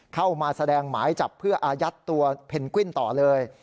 เข้ามาแสดงหมายจับเพื่ออายัดตัวเพนกวินต่อเลย